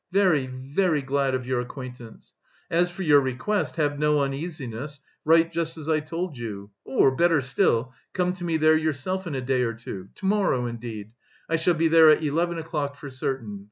"Very, very glad of your acquaintance. As for your request, have no uneasiness, write just as I told you, or, better still, come to me there yourself in a day or two... to morrow, indeed. I shall be there at eleven o'clock for certain.